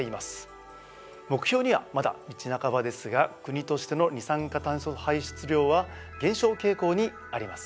目標にはまだ道半ばですが国としての二酸化炭素排出量は減少傾向にあります。